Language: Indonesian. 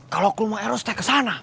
kalau ke rumah eros tak ke sana